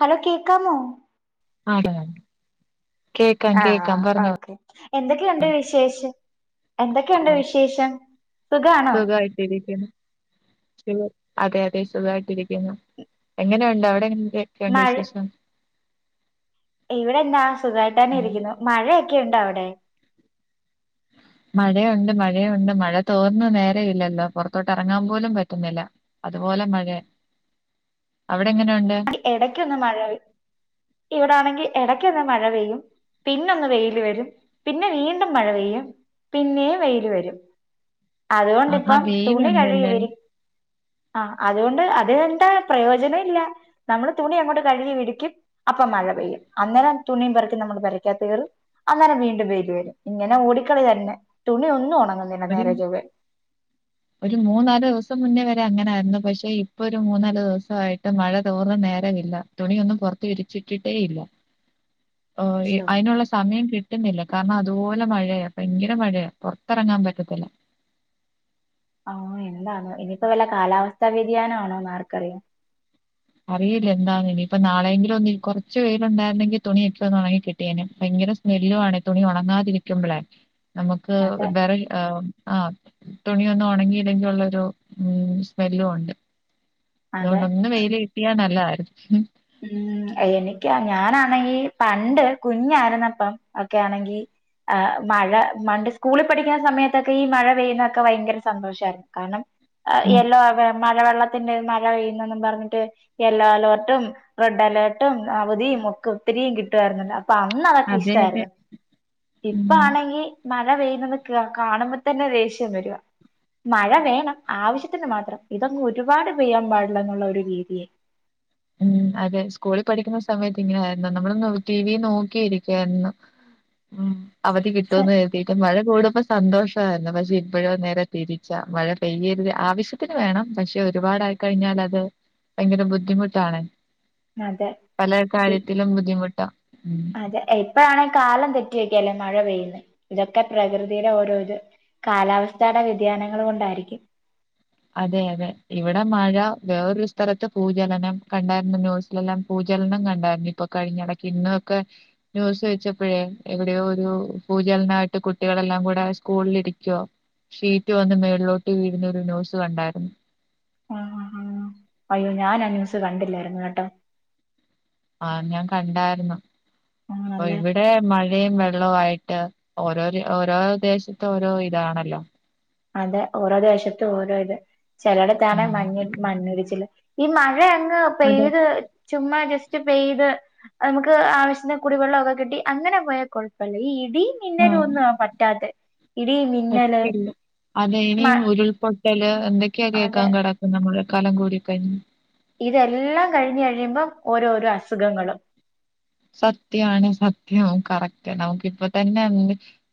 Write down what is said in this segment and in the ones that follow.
Hello കേക്കാമോ [unintelligible] കേക്കാം ആഹ് കേക്കാം പറഞ്ഞോ ഓക്കെ എന്തൊക്കെയുണ്ട് വിശേഷം. എന്തൊക്കെയുണ്ട് വിശേഷം. സുഖആണോ? പിന്നെ അതെ അതെ സുഖായിട്ടിരിക്കുന്നു എങ്ങനെഉണ്ട് അവിടെ എന് ക്കെ ക്കണ്ട് മഴ വിശേഷം. ഇവിടെ എന്താ സുഖായിട്ടന്നെ ഉം ഇരിക്കുന്നു മഴയൊക്കെ ഇണ്ട അവി ടെ മഴയുണ്ട് മഴയുണ്ട് മഴ തോർന്ന് നേര ഇല്ലല്ലോ പൊറത്തോട്ട് ഇറങ്ങാൻ പോലും പറ്റുന്നില്ല അതുപോലെ മഴയ അവിടെ എങ്ങനഉണ്ട്? ആങ്കി എടക്കൊന്ന് മഴപെയ് ഇവിടാണെങ്കി എടക്കൊന്ന് മഴ പെയ്യും പിന്ന ഒന്ന് വെയില് വരും പിന്നെ വീണ്ടും മഴ പെയ്യും പിന്നേം വെയില് വരും ആഹാ അതുകൊണ്ടിപ്പം തുണി വെയിലുണ്ടല്ലേ കഴുകിവിരി ആഹ് അതുകൊണ്ട് അത് എന്താ പ്രയോജനം ഇല്ല നമ്മള് തുണി അങ്ങോട്ട് കഴുകി വിരിക്കും അപ്പം മഴ പെയ്യും അന്നേരം തുണിയും പറക്കി നമ്മള് പേരക്കാത്ത് കേറും അന്നേരം വീണ്ടും വെയില് വരും ഇങ്ങനെ ഓടിക്കളി തന്നെ തുണി ഒന്നും ഒണ ഒരു നേരെ ചൊവ്വെ ഒരു മൂന്നാലു ദിവസം മുന്നേ വരെ അങ്ങനായിരുന്നു പക്ഷെ ഇപ്പൊ ഒരു മൂന്നാലു ദിവസ ആയിട്ട് മഴ തോർന്ന നേരമില്ല തുണിയൊന്നും പുറത്തു വിരിച്ചിട്ടിട്ടേ ഇല്ല ഓഹ് ഇ ശോ അയിനുള്ള സമയം കിട്ടുന്നില്ല കാരണം അതുപോലെ മഴയ പയങ്കര മഴയ പൊറത്തെറങ്ങാൻ പറ്റത്തില്ല ആഹ് എന്താണോ ഇനിയിപ്പോ വല്ല കാലാവസ്ഥാ വ്യതിയാനം ആണോന്ന് ആർക്കറിയാം അറിയില്ല എന്താന്ന് ഇനിയിപ്പ നാളെങ്കിലും ഒന്ന് കൊറച്ചു വേയിലൊ ണ്ടായിരുന്നെങ്കി തുണിയൊക്കെ ഒന്ന് ഉണങ്ങി കിട്ടിയേനെ ഭയങ്കര സ്മെല്ലു ആണ് തുണി ഒണങ്ങാതിരിക്കുമ്പഴെ നമുക്ക് അതെ വേറെ ആഹ് ആ തുണിയൊന്നും ഉണങ്ങിയില്ലെങ്കി ഒള്ളരു ഉ സ്മെല്ലും ഉണ്ട് അതെ അതോണ്ട് ഒന്ന് വെയില് നല്ലതാരുന്നു ഉം എനിക്ക് ഞാനാണെങ്കി പണ്ട് കുഞ്ഞാരുന്നപ്പം ഒക്കെ ആണെങ്കി ആ മഴ മണ്ട് സ്കൂളി പഠിക്കുന്ന സമയത്തൊക്കെ ഈ മഴ പെയ്യുന്നക്കെ വയങ്കര സന്തോഷായിരുന്നു കാരണം ഉം. എല്ലോ ആവ് മഴവെള്ള ത്തിന്റെ മഴ പെയ്യുന്നന്നും പറഞ്ഞിട്ട് എല്ലോ അലോർട്ടും റെഡ് അലേർട്ടും അവധിയും ഒക്കെ ഒത്തിരീം കിട്ടുആയിരുന്നല്ലോ അപ്പ അന്ന് അതൊക്കെ അതെ അതെ. ഇഷ്ട്ടായിരുന്നു. ഉം ഇപ്പ ആണെങ്കി മ മഴ പെയ്യുന്നന്ന് കാണുമ്പോൾ തന്നെ ദേഷ്യം വരിക മഴ വേണം ആവശ്യത്തിന് മാത്രം ഇതങ്ങ് ഒരുപാട് പെയ്യാൻ പാടില്ല എന്നുള്ള ഒരു രീതിയായി ഉം അതെ സ്കൂളിൽ പഠിക്കുന്ന സമയത്ത് ഇങ്ങനെ ആയിന്ന നമ്മള ടി വി നോക്കിയിരിക്കായിരുന്നു ഉം അവധി കിട്ടോ ഛെ എന്ന് കരുതിയിട്ടും മഴ കൂടുപ്പ സന്തോഷമായിരുന്നു പക്ഷെ ഇപ്പോഴും നേരെ തിരിച്ച മഴ പെയ്യരുത് ആവശ്യത്തിന് വേണം പക്ഷെ ഒരുപാട ആയി കഴിഞ്ഞാ അത് ഭയങ്കര ബുദ്ധിമുട്ട് ട്ടാണ് അതെ പല കാര്യത്തിലും ബുദ്ധിമുട്ട് അതെ ഇപ്പഴാണെങ്കി കാലം തെറ്റിയൊക്കെയല്ലേ മഴ പെയ്യും ഇതൊക്കെ പ്രകൃതിയുടെ ഓരോരു കാലാവസ്ഥയുടെ വ്യതിയാനങ്ങൾ കൊണ്ടായിരിക്കും അതെ അതെ ഇവിടെ മഴ വേറൊരു സ്ഥലത്ത് ഭൂചലനം കണ്ടായിരുന്നു ന്യൂസിലെല്ലാം ഭൂചലനം കണ്ടായിരുന്നു ഇപ്പൊ കഴിഞ്ഞ ഇടക്ക ഇന്നൊക്കെ ന്യൂസ് വെച്ചപ്പോഴേ എവിടെയോ ഒരു ഭൂചലനയിട്ട് കുട്ടികളെല്ലാം കൂടെ സ്കൂളിലിരിക്കുവോ ഷീറ്റ് വന്ന് മേളിലോട്ട് വീഴുന്ന ഒരു ന്യൂസ് കണ്ടായിരുന്നു അ് ഞാനാ ന്യൂസ് കണ്ടില്ലായിരുന്നു കേട്ടോ ആ ഞാൻ കണ്ടായിരുന്നു ഉം അപ്പൊ നല്ല ഇവിടെ മഴയും വെ ആയിട്ട് ഓരോ ഓരോ ദേശത്ത ഓരോ ഇതാണല്ലോ അതെ ഓരോ ദേശത്തും ഓരോ ഇത് ചിലടത്താണ് ഉം മഞ്ഞ മണ്ണിടിച്ചില് ഈ മഴ എ ത് അതെ പെയ്ത് ചുമ്മാ ജസ്റ്റ് പെയ്ത് നമുക്ക് ആവശ്യാത്തീന് കുടിവെള്ളമൊക്കെ കിട്ടി അങ്ങനെ പോയ കുഴപ്പല്ല ഈ ഇടീ ആഹ് മിന്നലൊന്നും ആ പറ്റാത്ത ഇടീ മിന്നല് അത മ ഇനിയും ഉരുൾപൊട്ട ഹലോ എന്തൊക്കെയാ കേക്കാ അതെ കിടക്ക നമ്മള് കലം കോരി കഞ്ഞ് ഇതെല്ലാം കഴിഞ്ഞ് കഴിയുമ്പം ഓരോരോ അസുഖങ്ങളും സത്യാണ് സത്യം കറക്റ്റ് നമുക്ക് ഇപ്പൊ തന്നെ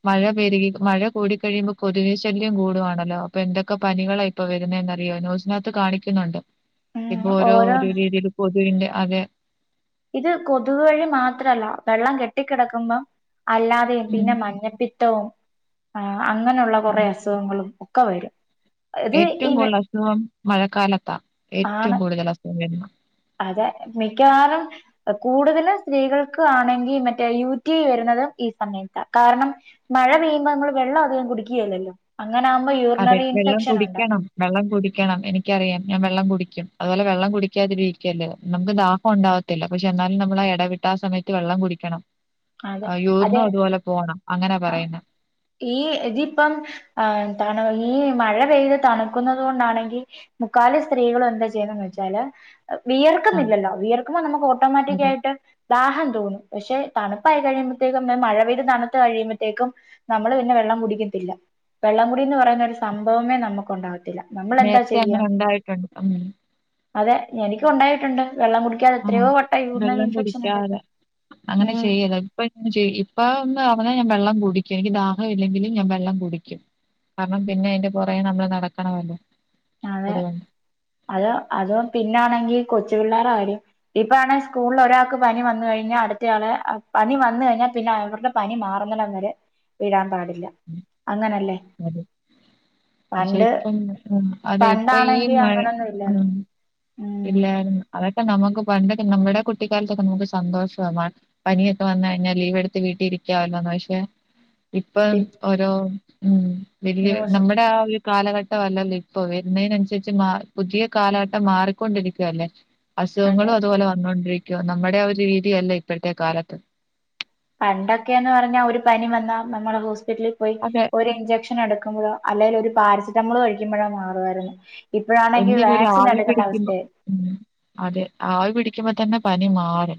മഴ പെരുകി മഴ കൂടി കഴിയുമ്പോ കൊതുക് ശല്യം കൂടുവാണല്ലോ അപ്പൊ എന്തൊക്കെ പനികളാ ഇപ്പൊ വരുന്നെന്നറിയോ ന്യൂസിനകത്ത് കാണിക്കുന്നുണ്ട് ഇപ്പൊ ഉം ഓരോ ഓരോ ഓരോന്ന് രീതിയിൽ കൊതുകിന്റെ അതെ ഇത് കൊതുക് വഴി മാത്രല്ല വെള്ളം കെട്ടിക്കിടക്കുമ്പം അല്ലാതെയും ഉം പിന്നെ മഞ്ഞപ്പിത്തവും ആ അങ്ങനെയുള്ള കുറെ അസുഖങ്ങളും ഒക്ക വരും ഇത് ഈ ഏറ്റവും കൂടുതൽ അസുഖം മഴക്കാലത്താ ഏറ്റവും ആണ് കൂടുതൽ അസുഖം വുന്ന അതെ മിക്കവാറും കൂടുതലും സ്ത്രീകൾക്ക് ആണെങ്കി മറ്റേ യുറ്റി വരുന്നതും ഈ സമയത്താ കാരണം മഴ പെയ്യുമ്പോ നമ്മൾ വെള്ളം അധികം കുടിക്കുകയില്ലല്ലോ അതെ വെള്ളം കുടിക്കണം വെള്ളം കുടിക്കണം എനിക്കറിയാം ഞാൻ വെള്ളം ടിക്കും അതുപോലെ വെള്ളം കുടിക്കാതിരിക്കലും നമുക്കു ദാഹം ഉണ്ടാവാതില്ല പക്ഷേ എന്നാലും നമ്മൾ ഇടവിട്ട് ആ സമയത്ത് വെള്ളം കുടിക്കണം. അതെ ആഹ് അതെ യൂറിനും അതുപോലെ പോണം. അങ്ങനാ അ പറയുന്നെ. ഈ ഇതിപ്പം ആ എന്താ ഈ മഴ പെയ്ത് തണുക്കുന്നുന്നത് കൊണ്ടാണെങ്കി മുക്കാലും സ്ത്രീകളെ എന്താ ചെയ്യുന്നതെന്ന് വെച്ചാല് ആഹ് വിയർക്കുന്നില്ലല്ലോ വിയർക്കുമ്പോ നമുക്ക് അതെ. ഓട്ടോമാറ്റിക്കായിട്ട് ദാഹം തോന്നും പക്ഷെ തണുപ്പായി കഴിയുമ്പോഴത്തേക്കും മഴ പെയ്ത് തണുത്ത് കഴിയുമ്പഴത്തേക്കും നമ്മള് പിന്നെ വെള്ളം കുടിക്കത്തില്ല വെള്ളം കുടിന്ന് പറയുന്ന ഒരു സംഭവമേ നമുക്ക് ഉണ്ടാവത്തില്ല. നേരത്തെ അങ്ങനെ ഉണ്ടായിട്ടുണ്ട് ഉ അതെ എനിക്കും ഉണ്ടായിട്ടുണ്ട് വെള്ളം കുടിക്കാെതെ ആഹ്. എത്രയോ വട്ട യൂറിനൽ ഇൻഫെക്ഷൻ ഉണ്ട് ചെയ്യല്ല ഇപ്പ ഇപ്പ ഒന്ന് അവനെ വെള്ളം കുടിക്കും എനിക്ക് ദാഹ ഇല്ലെങ്കിലും ഞാൻ വെള്ളം കുടിക്കും കാരണം പിന്നെ അതിന്റെ പുറേ നമ്മള് നടക്കണമല്ലേ. അതെ അത് അതും പിന്നൊണെങ്കിൽ കൊച്ച് പിള്ളേരുടെ കാര്യം ഇപ്പ ആണെ സ്കൂളിൽ ഒരാൾക്ക് പനി വന്ന കഴിഞ്ഞാൽ അടുത്തയാളെ അ പനി വന്നു കഴിഞ്ഞാൽ പിന്നെ അവരുടെ പനി മാറുന്നിടം വരെ വരാൻപാടില്ല അങ്ങനെല്ല അത പക്ഷെ ഇപ്പം [unintelligible] പണ്ടാണെങ്കി അങ്ങനൊന്നും ഇല്ലരുന്നു. ഇല്ലരുന്നു അതെ പണ്ടത്തെ നമുക്ക്പണ്ടൊെ നമ്മുടെ കുട്ടിക്കാലത്തൊക്കെ നമുക്ക് സന്തോഷ പനിയൊക്കെ വന്ന് കഴിഞ്ഞാൽ ലീവ് എടുത്ത് വീട്ടി ഇരിക്കാവല്ലോന്ന് പക്ഷെ, ഇപ്പം ഓരോ ഉം വല്യയ ന്യൂസ് നമ്മുടെ ആ ഒ കാലഘട്ടമല്ലല്ലോ ഇപ്പൊ വരുന്നതിനനുസരിച്ച് മാ പുതിയ കാലഘട്ടം മാറി. കൊണ്ടിരിക്കുവല്ലേ അതെ അസുഖങ്ങളും അതുപോലെ വന്നുകൊണ്ടിരിക് നമ്മുടെ ആ ഒരു രീതിയല്ലേ ഇപ്പോഴത്തെ കാലത്ത്. പണ്ടൊക്കെയന്ന് പറഞ്ഞാ ഒരു പനി വന്നാ നമ്മ ഹോസ് ഹസ്പിറ്റലിൽ പോയി അതെ ഒരു ഇഞ്ചെക്ഷൻ എടുക്കുമ്പോഴോ അല്ലെല് ഒരു പാരസെറ്റമോൾ കഴിക്കുമ്പോഴാ മാറായിരുന്നു എന്തിനതിനരു ആവി പിടിക്കുമ്പം അതെ ആവി പിടി മ്പ തന്നെ പനി മാറി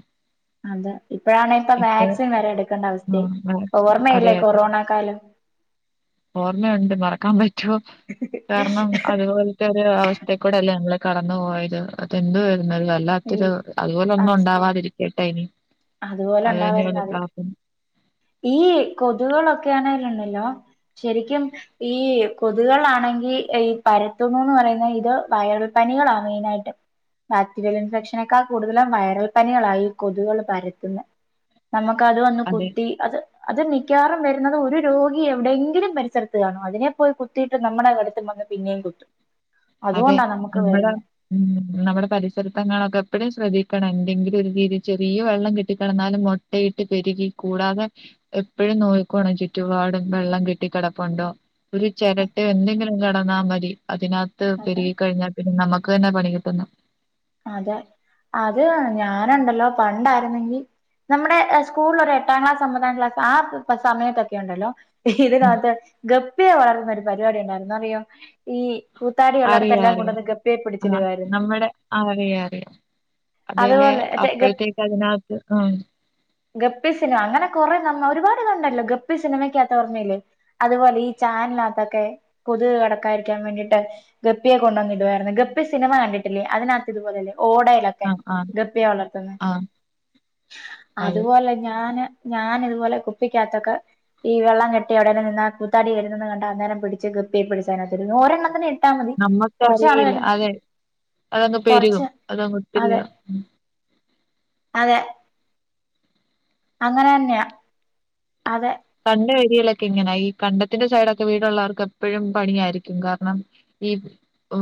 അതെ ഇപ്പഴാാണ് ഇപ്പൊ വാക്സിൻ വരെ എടുക്കേണ്ട അവസ്ഥയ ആഹ് വാക്സിൻ അതെ ഓർമ്മയല്ലേ അതെ കൊറോണ കാലം ഓർമ്മയുണ്ട് മറക്കാൻ പറ്റോ? ഹ അവസ്ഥക്കൂടെല്ലേ ഞങ്ങൾ കടന്നു പോയത് അതെന്തു ഈ വല്ലാത്തൊരു അതുപോലെ ഒന്നും ഉണ്ടാവാതിരിക്കട്ടെ ഇനി അത് തന്നെയാണ് അതുപോലൊണ്ടാവോരുന്നാള് പ്രാർത്ഥന ഈ കൊതുകുകളൊക്കെയാണെ ണ്ടല്ലോ ശരിക്കും ഈ കൊതുകുകളാണെങ്കി ഈ പരത്തുന്നുന്ന് പറയുന്നത് ഇത് വൈറൽ പനികളാണ് മെയിനായിട്ട് ബാക്ടീരിയൽ ഇൻഫെക്ഷനൊക്കെ കൂടുതലും വൈറൽ പനികളാ ഈ കൊതുകള് പരത്തുന്നെ നമുക്ക് അത് വന്ന് അതെ കുത്തി അത് അത് മി ക്കാറും വരുന്നത് ഒരു രോഗി എവിടെയെങ്കിലും പരിസരത്ത് കാണും അതിനെ പോയി കുത്തിയിട്ട് നമ്മുടെ അടുത്ത് വന്ന് പിന്നേം കുത്തും അതെ അതുകൊണ്ടാ നമുക്ക് നമ്മടെ വരുന്നെ ഉം നമ്മടെ പരിസരത്തെങ്ങാ ഒക്കെ എപ്പഴും ശ്രദ്ധിക്ക ക്കണങ്കിഎന്തെങ്കിലും ഒരു രീതിയിൽ ചെറിയ വെള്ളം കെട്ടി കെടന്നാലും മൊട്ടയിട്ട് പെരുകി കൂടാതെ എപ്പഴും നോക്കിക്കോണം ചുറ്റുപാടും വെള്ളം കെട്ടിക്കെടപ്പുണ്ടോ ഒരു ചെരട്ടയോ എന്തെങ്കിലും കാ ടന്നാ മതി അതിന തൊ അത് പിരി കഴിഞ്ഞാ പിന്നെ നമക്ക് ക്കന്നെ പണി കിട്ടുന്നു ഉണ്ടല്ലോ പണ്ടായിരുന്നെങ്കി നമ്മുടെ സ്കൂളിൽ ഒരു എട്ടാം ക്ലാസ് ഒമ്പതാം ക്ലാസ് ആ സമയത്തൊക്കെ ഉണ്ടല്ലോ ഉം ഇതിനാത്ത് ഗൗ പിയെ വളർന്നുന്ന ഒരു പരിപാടി ഉണ്ടായിരുന്നു അറിയോ ഈ കൂത്താടി അറിയാം ഉള്ളടത്തെല്ലാം അറിയാം കൊണ്ടുവന്ന് ഗപ്പിയെ പിടിച്ചിടുവായിരുന്നു അറിയ അറിയാം അതേലെ അതുപോലെ അപ്പഴത്തേക്ക് അതിനകത്ത് ആ ഗപ്പി സിനിമ അങ്ങനെ കൊറേ നമ്മ ഒരുപാട് ഇത്ണ്ടല്ലോ ഗപ്പി സിനിമയ്ക്കകത്ത് ഓർമ്മയില്ലേ അതുപോലെ ഈ ചാനലകത്തൊക്കെ കൊതുക് കടക്കായിരിക്കാൻ വേണ്ടിട്ട് ഗപ്പിയെ കൊണ്ടങ്ങിടുവായിരുന്നു ഗപ്പി സിനിമ കണ്ടിട്ടില്ലേ അതിന ഇതുപോലല്ലെ ഓടയിലൊക്കെ ആ ആ ഗപ്പിയെ വളർത്തുന്നെ ആ അതെ അതുപോലെ ഞാന് ഞാൻ ഇതുപോലെ കുപ്പിക്കകത്തൊക്കെ ഈ വെള്ളം കെട്ടി എവിടേലും നിന്നാ കൂത്താടി വരുന്നെന്ന് കണ്ടാ അന്നേരം പിടിച്ച് ഗപ്പിയെ പിടിച്ചതിനകത്ത് ഇടും ഒരെണ്ണത്തിനെ ഇട്ടാ മതി നമ്മക്ക് കുറച്ച് നാള് അറിയില്ല കഴി അതെ അതെ പെരുകും കുറച്ച് അത് അതെ അങ്ങോത്തിരിയാ ഉം അതെ അങ്ങനെന്നെയാ അതെ കണ്ട വരികളൊക്കെ ഇങ്ങനെ ഈ കണ്ടത്തിന്റെ സൈഡൊക്കെ വീടുള്ളവർക്ക് എപ്പോഴും പണിയായിരിക്കും കാരണം ഈ ഊ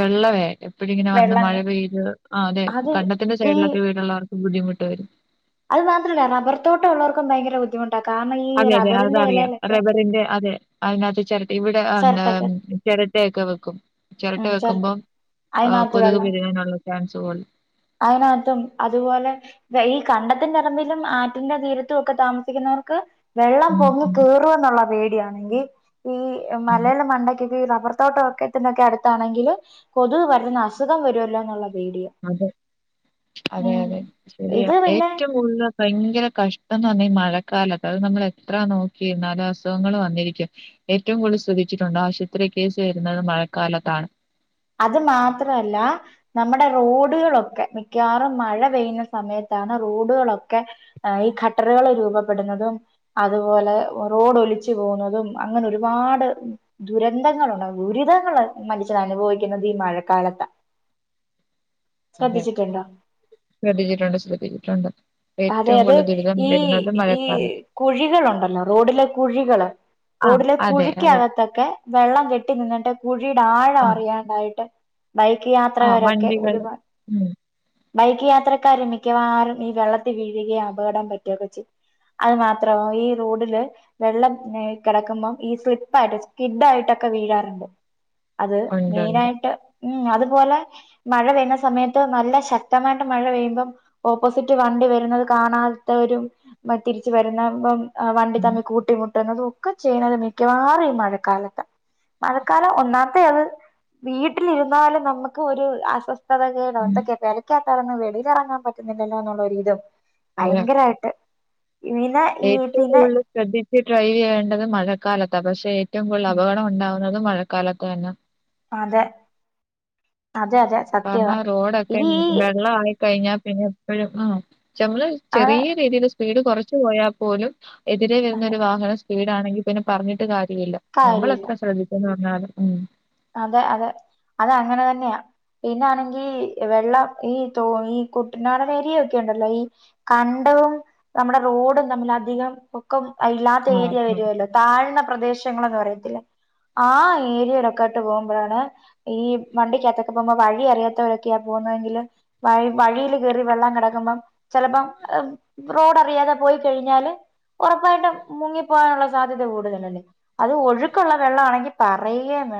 വെള്ളവേ ഇപ്പോഴിങ്ങനെ വന്ന് വെള്ളം മഴ പെയ്ത് ആ അതെ അത് കണ്ടത്തിന്റെ ഈ സൈഡിലൊക്കെ വീടുള്ളവർ ബുദ്ധിമുട്ട് വരും അത് മാത്രല്ല റബർത്തോട്ട ഉള്ളർക്കും ഭയങ്കര ബുദ്ധിമു അതെ അതെ അതറിയാം റബ്ബറിന്റെ അതെ അതിനകത്ത് ചെരട്ടയും ഇവിട അ ഉം ചിരട്ടക്കെ ഉം ചെരട്ടയൊക്കെ വെക്കും ചെരട്ട ഉം ചിരട്ട വെക്കുമ്പോം ആ അതിനകത്ത് കൊതുക് വെള്ളം പിരികാനൊള്ള [unintelligible] അതിനകത്തും അതുപോലെ ഈ കണ്ടത്തിന്റെറമ്പിലും ആറ്റിൻന്റെ തീരത്തൊക്കെ താമസിക്കുന്നവർക്ക് വെള്ളം ഉം പൊങ്ങി ഉം കേറോന്നുള്ള പേടി ടി ആണെങ്കി ഈ ആ മലേല മണ്ണാക്കെ ഈ റബർ തോട്ടം ഒക്കത്തിനൊക്കെ അടുത്താണെങ്കിൽ കൊതുവ വരുന്ന അസുഖം വരുമല്ലോ എന്നുള്ളത് വീഡിയോ അതെ അതെ അതെ ശരിയാ പിന്നെ ഏറ്റവും കുടുതല് ഭയങ്കര കഷ്ട ഇന്ന് പറഞ്ഞഈ മഴക്കാലത്ത് അത് നമ്മൾ എത്ര നോക്കിയിരുന്നാലും അസുഖങ്ങൾ വന്നിരിക്കും ഏറ്റവും കൂടുതൽ ശ്രദ്ധിച്ചിട്ടുണ്ട് ആശുപത്രി കേസ് വരുന്നത് മഴക്കാലത്താണ് അത് മാത്രല്ല നമ്മുടെ റോഡുകളൊക്കെ മിക്കവാറും മഴ പെയ്യുന്ന സമയത്താണ് റോഡുകളൊക്കെ ഈ ഖട്ടറുകൾ രൂപപ്പെടുന്നതും അതുപോലെ റോഡ ഒലിച്ചു പോകുന്നതും അങ്ങനെ ഒരുപാട് ദുരന്തങ്ങളുണ്ട് ദുരിതങ്ങൾ മരിച്ചത് അനുഭവിക്ക ക്കുന്നത് ഈ മഴക്കാലത്ത അതെ ശ്രദ്ധിച്ചിട്ടുണ്ട് ശ്രദ്ധിച്ചിട്ടുണ്ട് അതെ ഏറ്റവും അത് കൂടുതൽ ദുരിതം ഈ വരുന്നത് ഈ മഴക്കാലത്ത്. കുഴികളുണ്ടല്ലോ റോഡിലെ കുഴികള് ആ, റോഡിലെ അതെ, അതെ. കുഴിക്കകത്തൊക്കെ വെള്ളം കെട്ടി നിന്നിട്ട് കുഴിയുടെ ആഴം ആ, അറിയാണ്ടായി ട്ട് ബൈക്ക് ആ യാത്രകാരൊക്കെ വണ്ടികള് ഒരുപാട് ഉം. ബൈക്ക് യാത്രക്കാരും മിക്കവാറും ഈ വെള്ള വീഴുക അപകടം പറ്റുകക്കെ അത് മാത്ര ഈ റോഡില് വെള്ളം കിടക്കുമ്പം ഈ സ്ലിപ്പായിട്ട് സ്കിഡ് ആയിട്ടൊക്കെ വീഴാറുണ്ട് അത് ഉണ്ട്, മെയിന ഉണ്ട്. ആായിട്ട് ഉം അത് പോലെ മഴ പെയുന്ന സമയത്ത് നല്ല ശക്തമായിട്ട് മഴ പെയ്യുമ്പ ഓപ്പോസിറ്റ് വണ്ടി വരു നത് കാണാത്തവരും തിരിച്ച് വരുന്ന [unintelligible] ആ വണ്ടി ഉം, തമ്മി കൂട്ടി മുട്ടി കിട്ടുന്നതും ഒക്കെ ചെയ്യ്ണത് മിക്കവാറും ഈ മഴക്കാലത്ത മഴക്കാലം ഒന്നാത്തെ അത് വീട്ടിലിരുന്നാലും നമുക്ക് ഒരു അസ്വസ്ഥ [unintelligible] ഉം. [unintelligible] വെളിയില ഇറങ്ങാൻ പറ്റുന്നില്ലല്ലോ എന്നുള്ളൊ ഒരിതും അതെ. ഭയങ്കരായിട്ട് പിന്നെ ഈ ഏറ്റവും പിന്നെ കൂടുതൽ ശ്രദ്ധിച്ച് ഡ്രൈവ് ചെയ്യേണ്ടത് മഴക്കാലത്ത് ത പക്ഷെ ഏവും ഉം കൂട്തൽപകട ഉണ്ടാവു തും മഴക്കാലത്ത് തന്ന അതെ അതെ അതെ സത്യ ഇത് ഈ കഴിഞ്ഞാ പിന്നെ എപ്പോഴും ആ നമ്മള് ആ ചെറിയ രീതിയില് സ്പീട് കുറച്ച് പോയാൽ പോലും എതിരെ അതെ വരുന്നരു വാഹനം വീടാണെങ്കി പിന്നെ പറഞ്ഞിട്ട് കാ [unintelligible] കാര്യമില്ല നമ്മളെത്ര ശ്രമിക്കുന്നു അ അത്‌ ഉം അതെ അതെ അത അങ്ങനെ തന്നെയാ പിന്നാണെങ്കി വെള്ളം ഈ ത ഈ കുട്ടനാടം ഏരിയൊക്കെ ഉണ്ടല്ലോ ഈ കണ്ടവും നമ്മുടെ റോഡും തമ്മിൽ അധികം പൊക്കം ഇല്ലാത്ത ആഹ് ഏരിയ ഉം വരുവല്ലോ താഴ്ന്ന പ്രദേശങ്ങളന്ന് പറയത്തില്ലേ ആഹ് ഏരിയയുടെക്കെ പോകുമ്പോഴാണ് ഈ വണ്ടിക്കത്തൊക്കെ പോകുമ്പോ വഴി അറിയാത്തവരൊക്കെയ പോകുന്നതെങ്കില് വഴ വഴിയിൽ കേറി വെള്ളം കിടക്കുമ്പം ചിലപ്പോം റോഡ് അറിയാതെ പോയി കഴിഞ്ഞാല് ഉറപ്പായിട്ടും മുങ്ങിപ്പോകാനുള്ള സാധ്യത കൂടുതലല്ലേ അത് ഒഴുക്കുള്ള വെള്ള ആണെങ്കിൽ പറയ്യേ വേ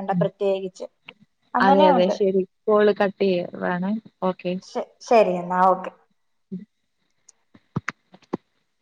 അതെ അതെ ശരി കോള് കട്ട് ചെയ്യുവാണ് ഓക്കെ. ശ ശരി എന്നാ ഓക്കെ. [unintelligible]